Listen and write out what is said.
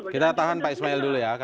kita tahan pak ismail dulu ya